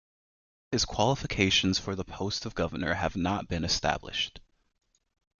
His qualifications for the post of Governor have not been established.